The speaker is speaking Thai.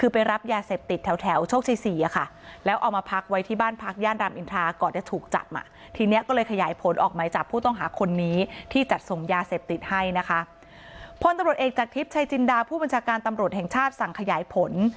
พลตำรวจเอกจากทิพย์ชัยจินดาผู้บัญชาการตำรวจแห่งชาติสั่งขยายผล